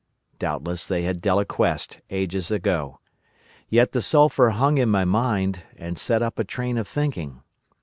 Doubtless they had deliquesced ages ago. Yet the sulphur hung in my mind, and set up a train of thinking.